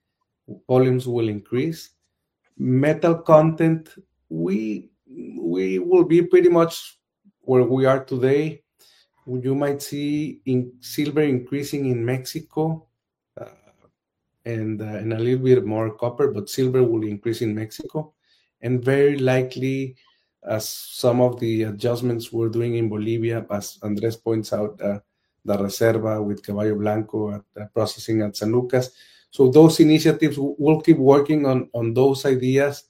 Volumes will increase. Metal content, we will be pretty much where we are today. You might see silver increasing in Mexico and a little bit more copper, but silver will increase in Mexico, and very likely, as some of the adjustments we're doing in Bolivia, as Andrés points out, the Reserva with Caballo Blanco processing at San Lucas, so those initiatives, we'll keep working on those ideas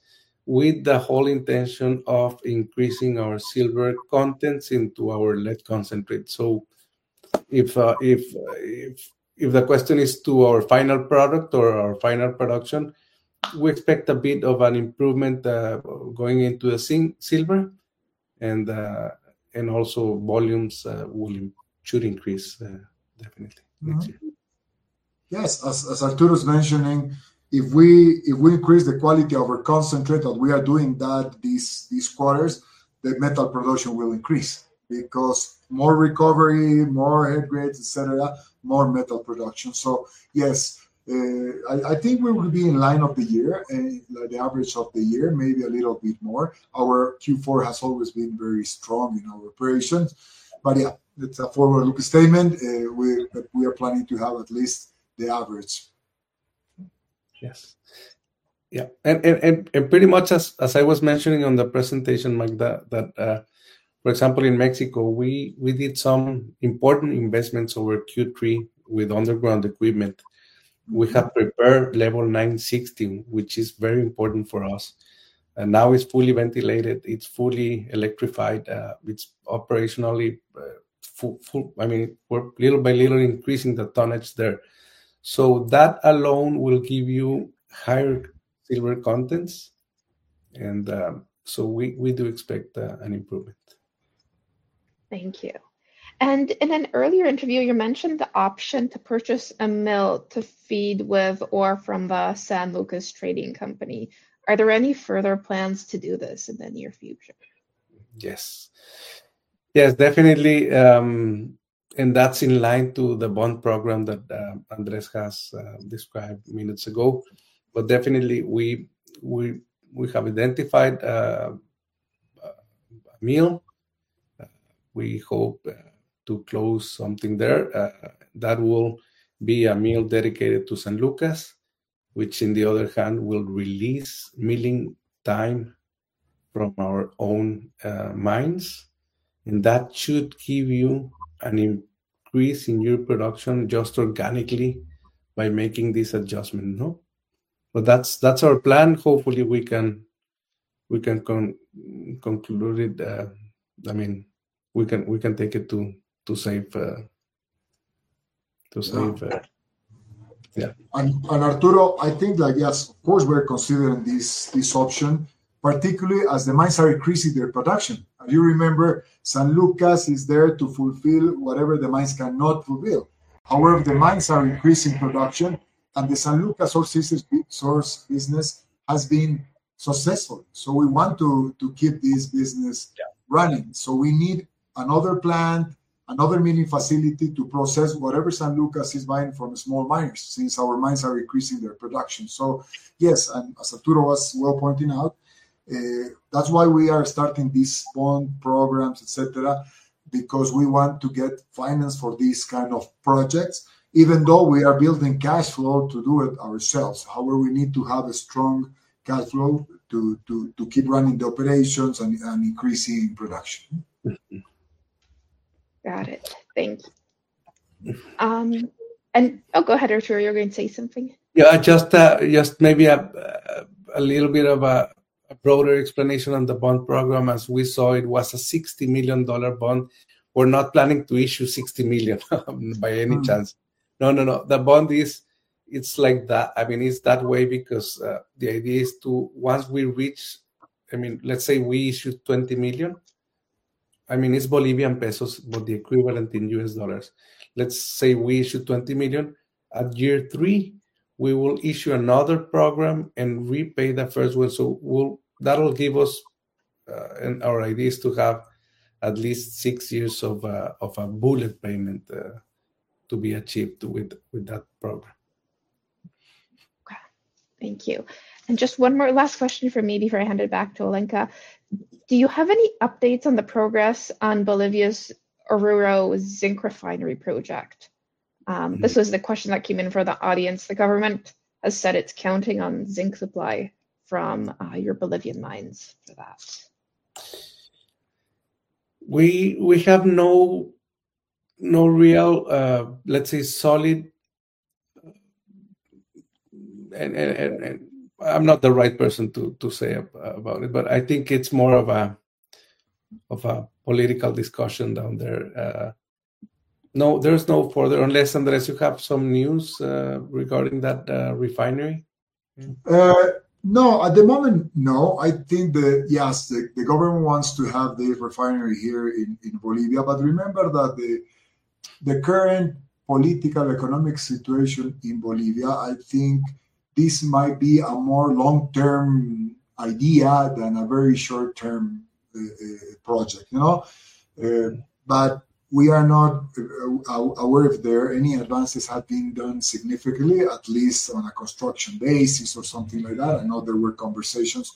with the whole intention of increasing our silver contents into our lead concentrate, so if the question is to our final product or our final production, we expect a bit of an improvement going into the silver, and also volumes should increase, definitely, next year. Yes. As Arturo's mentioning, if we increase the quality of our concentrate that we are doing these quarters, the metal production will increase. Because more recovery, more head grades, etc., more metal production. So yes, I think we will be in line of the year, the average of the year, maybe a little bit more. Our Q4 has always been very strong in our operations. But yeah, it's a forward-looking statement that we are planning to have at least the average. Yes. Yeah. And pretty much as I was mentioning on the presentation, Magda, that, for example, in Mexico, we did some important investments over Q3 with underground equipment. We have prepared level 960, which is very important for us. And now it's fully ventilated. It's fully electrified. It's operationally, I mean, we're little by little increasing the tonnage there. So that alone will give you higher silver contents. And so we do expect an improvement. Thank you. And in an earlier interview, you mentioned the option to purchase a mill to feed with ore from the San Lucas Trading Company. Are there any further plans to do this in the near future? Yes. Yes, definitely. And that's in line with the bond program that Andrés has described minutes ago. But definitely, we have identified a mill. We hope to close something there. That will be a mill dedicated to San Lucas, which, on the other hand, will release milling time from our own mines. And that should give you an increase in your production just organically by making this adjustment. But that's our plan. Hopefully, we can conclude it. I mean, we can take it, safe to say, yeah. And Arturo, I think that, yes, of course, we're considering this option, particularly as the mines are increasing their production. As you remember, San Lucas is there to fulfill whatever the mines cannot fulfill. However, the mines are increasing production, and the San Lucas outsourced business has been successful. So we want to keep this business running. So we need another plant, another milling facility to process whatever San Lucas is buying from small miners since our mines are increasing their production. So yes, and as Arturo was well pointing out, that's why we are starting these bond programs, etc., because we want to get finance for these kinds of projects, even though we are building cash flow to do it ourselves. However, we need to have a strong cash flow to keep running the operations and increasing production. Got it. Thanks. And oh, go ahead, Arturo. You were going to say something. Yeah, just maybe a little bit of a broader explanation on the bond program. As we saw, it was a $60 million bond. We're not planning to issue $60 million by any chance. No, no, no. The bond is, it's like that. I mean, it's that way because the idea is to, once we reach, I mean, let's say we issue $20 million. I mean, it's Bolivian pesos, but the equivalent in US dollars. Let's say we issue $20 million. At year three, we will issue another program and repay the first one. So that'll give us our ideas to have at least six years of a bullet payment to be achieved with that program. Okay. Thank you. And just one last question for me, before I hand it back to Olenka. Do you have any updates on the progress on Bolivia's Oruro Zinc Refinery project? This was the question that came in for the audience. The government has said it's counting on zinc supply from your Bolivian mines for that. We have no real, let's say, solid. I'm not the right person to say about it, but I think it's more of a political discussion down there. No, there's no further, unless Andrés, you have some news regarding that refinery? No, at the moment, no. I think that, yes, the government wants to have this refinery here in Bolivia. But remember that the current political economic situation in Bolivia, I think this might be a more long-term idea than a very short-term project. But we are not aware if there are any advances that have been done significantly, at least on a construction basis or something like that. I know there were conversations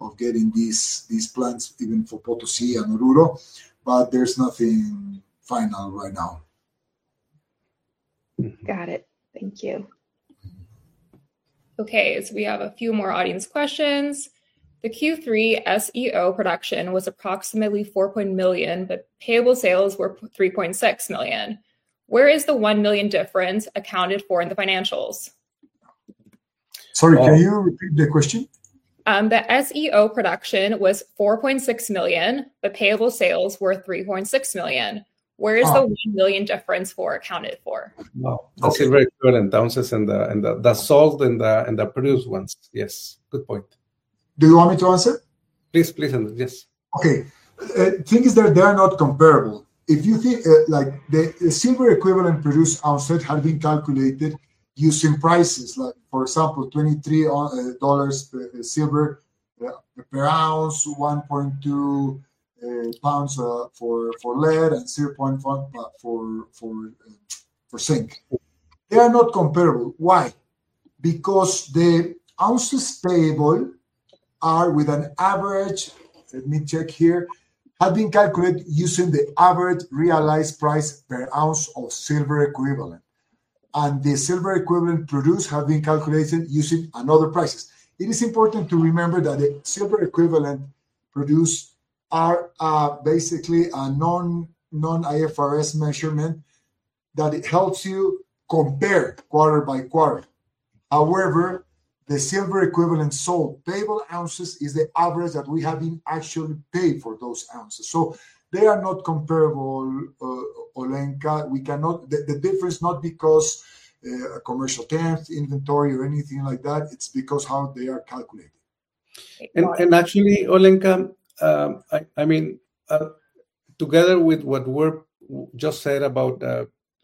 of getting these plants, even for Potosí and Oruro, but there's nothing final right now. Got it. Thank you. Okay. So we have a few more audience questions. The Q3 SEO production was approximately 4.1 million, but payable sales were 3.6 million. Where is the one million difference accounted for in the financials? Sorry, can you repeat the question? The SEO production was 4.6 million, but payable sales were 3.6 million. Where is the one million difference accounted for? That's a very good answer. And the sold and the produced ones. Yes. Good point. Do you want me to answer? Please, please, Andrés. Yes. Okay. The thing is that they are not comparable. If you think the silver equivalent produced ounces had been calculated using prices, for example, $23 silver per ounce, $1.2 per pound for lead, and $0.1 for zinc. They are not comparable. Why? Because the ounces payable are with an average let me check here had been calculated using the average realized price per ounce of silver equivalent. The silver equivalent produced had been calculated using other prices. It is important to remember that the silver equivalent produced are basically a non-IFRS measurement that helps you compare quarter by quarter. However, the silver equivalent sold payable ounces is the average that we have been actually paid for those ounces. So they are not comparable, Olenka. The difference is not because of commercial terms, inventory, or anything like that. It's because of how they are calculated. And actually, Olenka, I mean, together with what we just said about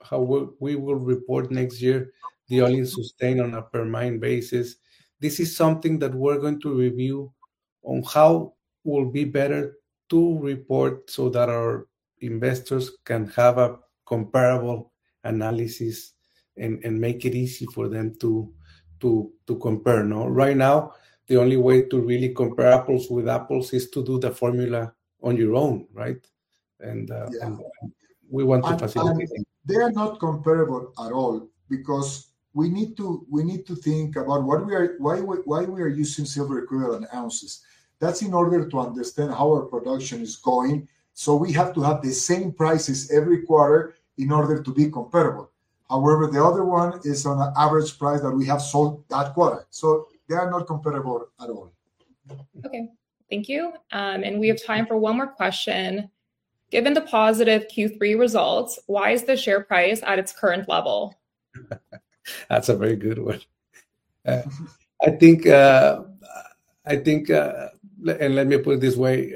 how we will report next year, the all-in sustaining costs on a per mine basis, this is something that we're going to review on how it will be better to report so that our investors can have a comparable analysis and make it easy for them to compare. Right now, the only way to really compare apples with apples is to do the formula on your own, right? And we want to facilitate it. They are not comparable at all because we need to think about why we are using silver equivalent ounces. That's in order to understand how our production is going. So we have to have the same prices every quarter in order to be comparable. However, the other one is on an average price that we have sold that quarter. So they are not comparable at all. Okay. Thank you. And we have time for one more question. Given the positive Q3 results, why is the share price at its current level? That's a very good one. I think, and let me put it this way,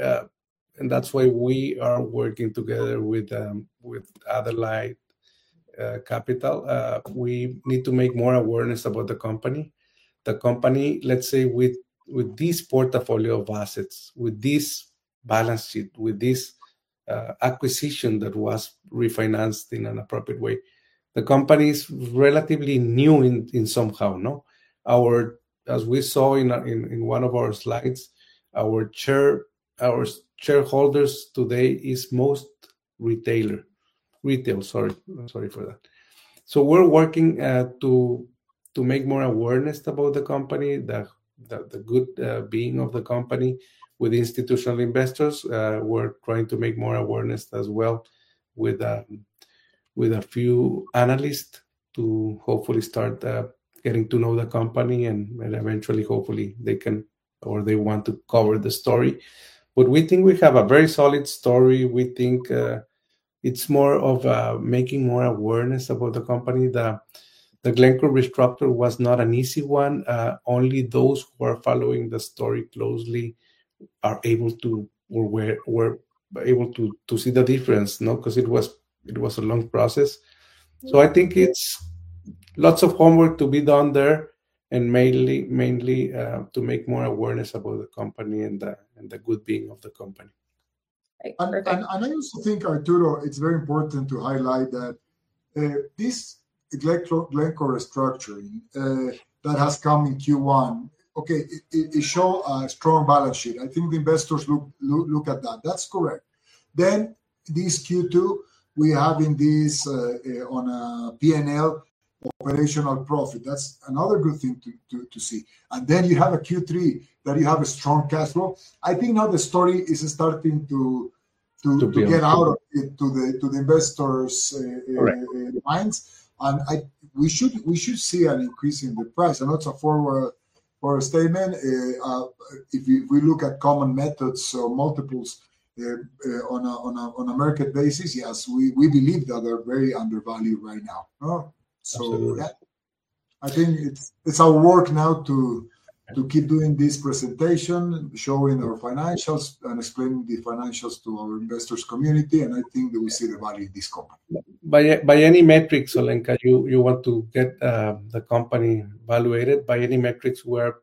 and that's why we are working together with Adelaide Capital. We need to make more awareness about the company. The company, let's say, with this portfolio of assets, with this balance sheet, with this acquisition that was refinanced in an appropriate way, the company is relatively new in some way. As we saw in one of our slides, our shareholders today is most retailer. Retail, sorry. Sorry for that. So we're working to make more awareness about the company, the good being of the company with institutional investors. We're trying to make more awareness as well with a few analysts to hopefully start getting to know the company and eventually, hopefully, they can or they want to cover the story. But we think we have a very solid story. We think it's more of making more awareness about the company. The Glencore restructure was not an easy one. Only those who are following the story closely are able to or were able to see the difference because it was a long process. So I think it's lots of homework to be done there and mainly to make more awareness about the company and the good being of the company. And I also think, Arturo, it's very important to highlight that this Glencore restructuring that has come in Q1, okay, it showed a strong balance sheet. I think the investors look at that. That's correct. Then this Q2, we have in this on a P&L operational profit. That's another good thing to see. And then you have a Q3 that you have a strong cash flow. I think now the story is starting to get out to the investors' minds. And we should see an increase in the price. And that's a forward statement. If we look at common methods or multiples on a market basis, yes, we believe that they're very undervalued right now, so yeah, I think it's our work now to keep doing this presentation, showing our financials and explaining the financials to our investors' community, and I think that we see the value in this company. By any metrics, Olenka, you want to get the company valuated? By any metrics, we're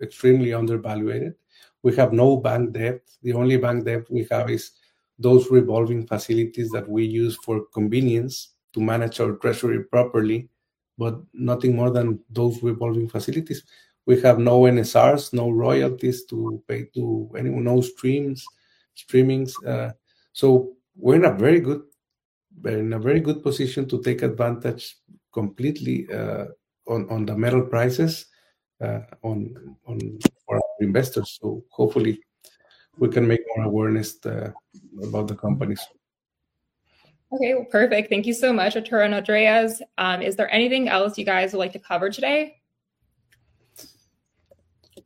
extremely undervalued. We have no bank debt. The only bank debt we have is those revolving facilities that we use for convenience to manage our treasury properly, but nothing more than those revolving facilities. We have no NSRs, no royalties to pay to anyone who owns streams, so we're in a very good position to take advantage completely on the metal prices for our investors, so hopefully, we can make more awareness about the companies. Okay, well, perfect. Thank you so much, Arturo and Andrés. Is there anything else you guys would like to cover today?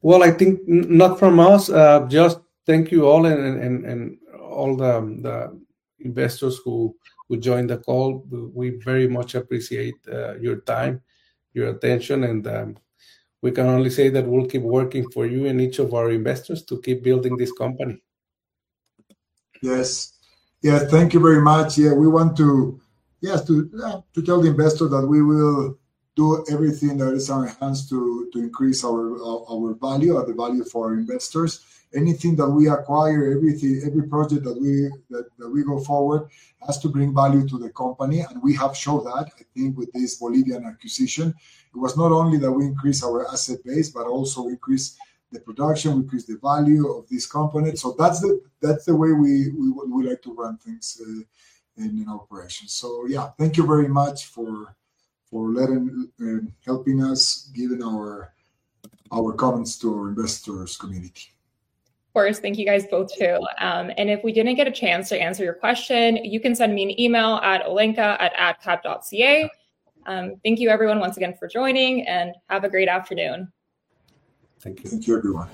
Well, I think not from us. Just thank you all and all the investors who joined the call. We very much appreciate your time, your attention. And we can only say that we'll keep working for you and each of our investors to keep building this company. Yes. Yeah. Thank you very much. Yeah. We want to, yes, to tell the investors that we will do everything that is in our hands to increase our value, the value for our investors. Anything that we acquire, every project that we go forward has to bring value to the company. And we have shown that, I think, with this Bolivian acquisition. It was not only that we increased our asset base, but also increased the production, increased the value of this component. That's the way we like to run things in an operation. So yeah, thank you very much for helping us, giving our comments to our investors' community. Of course. Thank you guys both, too. And if we didn't get a chance to answer your question, you can send me an email at olenka@adcap.ca. Thank you, everyone, once again for joining, and have a great afternoon. Thank you. Thank you, Arturo.